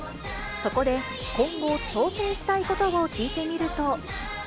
そこで、今後、挑戦したいことを聞いてみると。